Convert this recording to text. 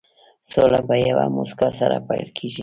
سوله په یوې موسکا سره پيل کېږي.